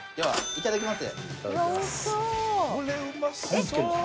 いただきます。